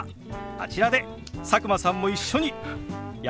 あちらで佐久間さんも一緒にやってみましょう！